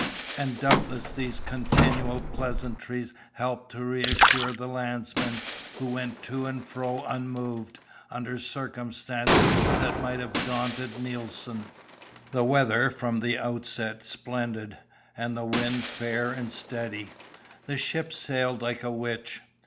And doubtless these continual pleasantries helped to reassure the landsmen, who went to and fro unmoved, under circumstances that might have daunted Nelson. The weather was from the outset splendid, and the wind fair and steady. The ship sailed like a witch.